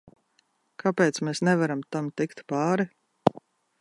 Kāpēc mēs nevaram tam tikt pāri?